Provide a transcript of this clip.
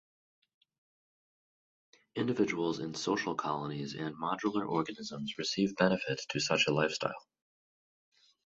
Individuals in social colonies and modular organisms receive benefit to such a lifestyle.